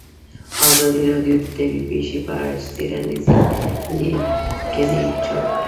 ازادي راډیو د طبیعي پېښې په اړه څېړنیزې لیکنې چاپ کړي.